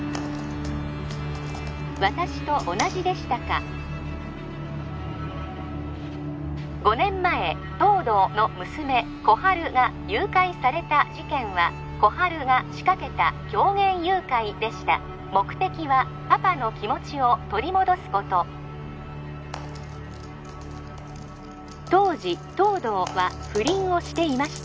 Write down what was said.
私と同じでしたか５年前東堂の娘心春が誘拐された事件は心春が仕掛けた狂言誘拐でした目的はパパの気持ちを取り戻すこと当時東堂は不倫をしていました